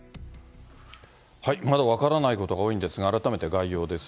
まだ分からないことが多いんですが、改めて概要です。